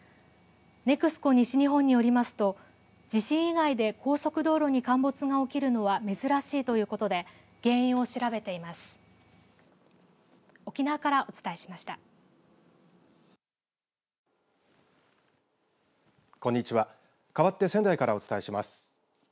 西日本によりますと地震以外で高速道路に陥没が起きるのは珍しいということで原因を調べています。